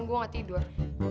gue gak tidur